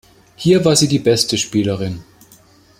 Hier war sie die beste Spielerin.